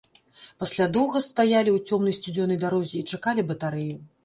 Пасля доўга стаялі ў цёмнай сцюдзёнай дарозе і чакалі батарэю.